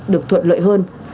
được thuận lợi hơn